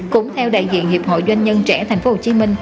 cũng theo đại diện hiệp hội doanh nhân trẻ tp hcm